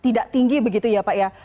tidak tinggi begitu ya pak ya